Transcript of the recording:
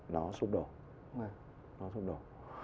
nó sụp đổ